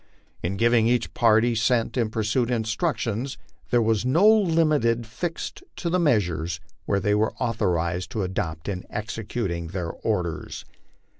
In giving each party sent in pursuit instructions, there was no limit fixed to the measures which they were authorized to adopt in executing their orders.